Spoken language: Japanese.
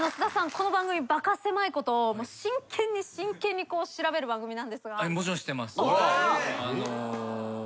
この番組バカせまいことを真剣に真剣に調べる番組なんですが。